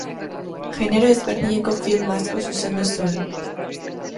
Genero ezberdineko film asko zuzendu zuen.